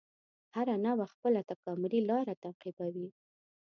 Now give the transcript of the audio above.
هره نوعه خپله تکاملي لاره تعقیبوي.